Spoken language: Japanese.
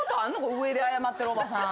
上で謝ってるおばさん。